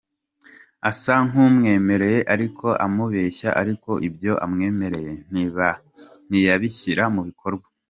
Asa nk’umwemereye ariko amubeshya ariko ibyo amwemereye ntiyabishyira mu bikorwa.